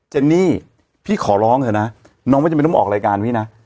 เจนนี่พี่ขอร้องเถอะนะน้องไม่จำเป็นต้องออกรายการพี่นะ